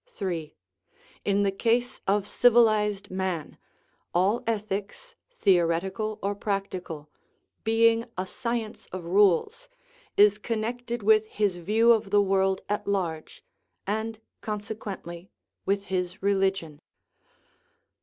(3) In the case of civilized man all ethics, theoretical or practical, being "a sci ence of rules/' is connected with his view of the world at large, and consequently with his religion.